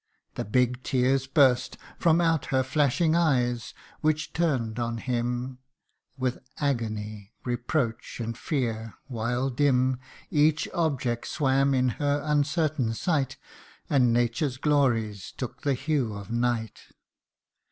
The big tears burst From out her flashing eyes, which turn'd on him With agony, reproach, and fear, w T hile dim Each object swam in her uncertain sight, And nature's glories took the hue of night.